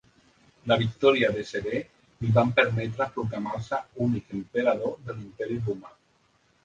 La victòria de Sever li van permetre proclamar-se únic emperador de l'Imperi Romà.